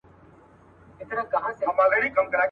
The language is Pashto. ټول اعمال یې له اسلام سره پیوند کړل.